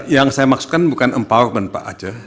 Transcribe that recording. yang saya maksudkan bukan empowerment pak aceh